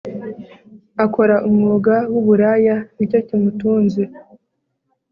Akora umwuga wuburaya nicyo kimutunze